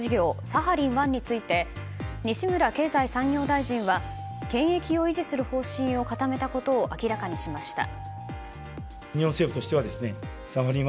サハリン１について西村経済産業大臣は権益を維持する方針を固めたことを明らかにしました。